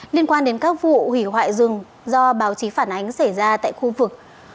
liên quan đến các vụ hủy hoại rừng do báo chí phản ánh xảy ra tại khu vực